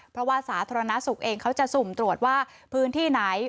เพราะว่าสาธารณสุขเองเขาจะสุ่มตรวจว่าพื้นที่ไหน